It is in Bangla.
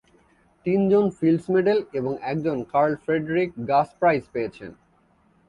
তিন জন ফিল্ডস মেডেল এবং একজন কার্ল ফ্রেডরিক গাস প্রাইজ পেয়েছেন।